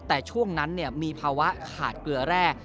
แต่ช่วงนั้นมีภาวะขาดเกลือแร่